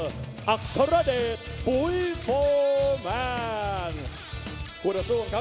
และขาวดรเบอร์คดีฟ้ามันก็เชพที่สุดท้าย